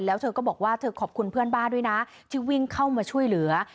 แล้วเธอก็บอกว่าเธอขอบคุณเพื่อนบ้านด้วยนะที่วิ่งเข้ามาช่วยเหลือ